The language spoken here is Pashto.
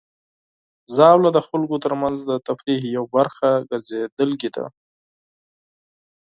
ژاوله د خلکو ترمنځ د تفریح یوه برخه ګرځېدلې ده.